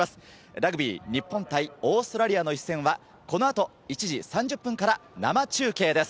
ラグビー日本対オーストラリアの一戦はこの後、１時３０分から生中継です。